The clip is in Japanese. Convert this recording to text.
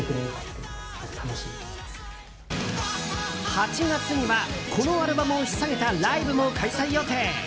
８月にはこのアルバムを引っさげたライブも開催予定。